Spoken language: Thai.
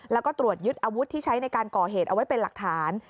แล้วก็ตรวจยึดอาวุธที่ใช้ในการก่อเหตุเอาไว้เป็นหลักฐาน